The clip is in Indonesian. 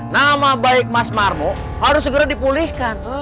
nama baik mas marmu harus segera dipulihkan